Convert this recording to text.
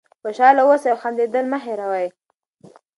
خوشحاله اوسئ او خندېدل مه هېروئ.